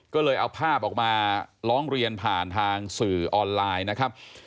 ก็เลยเอาภาพออกมาร้องเรียนผ่านทางสื่อออนไลน์นะครับ